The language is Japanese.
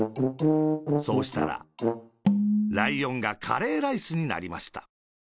そうしたら、ライオンがカレーライスになりました。